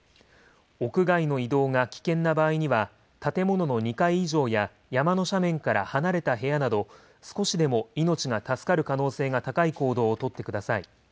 屋外の移動が危険な場合には建物の２階以上や山の斜面から離れた部屋など、少しでも命が助かる可能性が高い行動を取ってください。